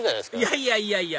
いやいやいやいや！